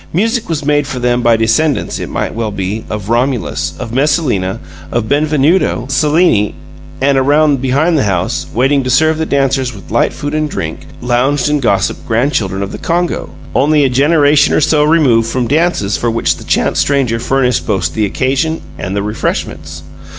Music was made for them by descendants, it might well be, of Romulus, of Messalina, of Benvenuto Cellini, and, around behind the house, waiting to serve the dancers with light food and drink, lounged and gossiped grandchildren of the Congo, only a generation or so removed from dances for which a chance stranger furnished both the occasion and the refreshments.